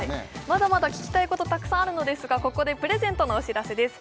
まだまだ聞きたいことたくさんあるのですがここでプレゼントのお知らせです